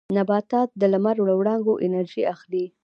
نباتات د لمر له وړانګو انرژي اخلي